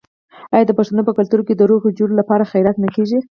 آیا د پښتنو په کلتور کې د روغې جوړې لپاره خیرات نه کیږي؟